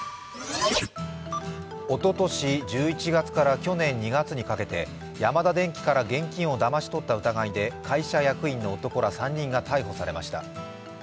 おととし１１月から去年２月にかけてヤマダデンキから現金をだまし取った疑いで会社役員の男ら３人が逮捕されました。